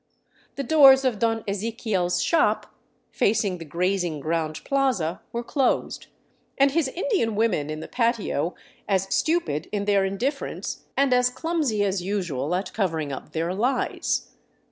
The doors of Don Eze quiel's shop, facing the grazing ground plaza, were closed, and his Indian women in the patio as stupid in their indifference, and as clumsy as usual at covering up their lies.